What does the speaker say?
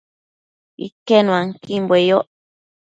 Iquenuanquimbue yoc